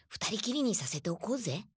２人きりにさせておこうぜ。